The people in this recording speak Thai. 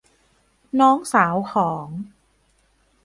น้องสาวของ